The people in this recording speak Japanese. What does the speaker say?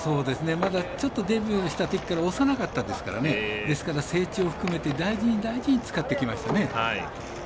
まだデビューしたときから幼かったですから成長を含めて大事に大事に使ってきましたね。